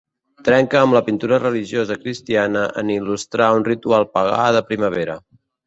Trenca amb la pintura religiosa cristiana en il·lustrar un ritual pagà de primavera.